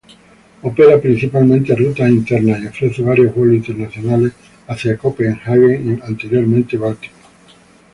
Opera principalmente rutas internas y ofrece varios vuelos internacionales hacia Copenhague y anteriormente Baltimore.